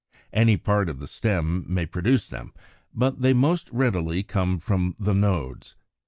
Any part of the stem may produce them, but they most readily come from the nodes.